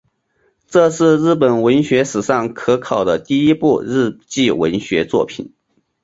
这是日本文学史上可考的第一部日记文学作品。